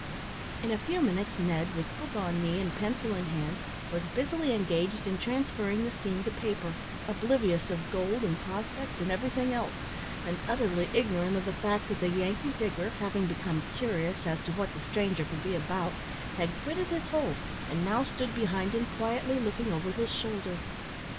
In a few minutes Ned, with book on knee and pencil in hand, was busily engaged in transferring the scene to paper, oblivious of gold, and prospects, and everything else, and utterly ignorant of the fact that the Yankee digger, having become curious as to what the stranger could be about, had quitted his hole, and now stood behind him quietly looking over his shoulder.